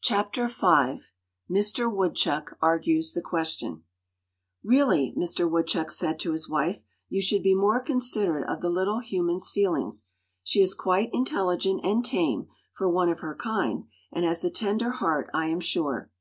Chapter V Mr. Woodchuck Argues the Question "REALLY," Mister Woodchuck said to his wife, "you should be more considerate of the little human's feelings. She is quite intelligent and tame, for one of her kind, and has a tender heart, I am sure."